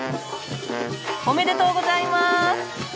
おめでとうございます！